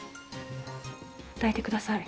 抱いてください。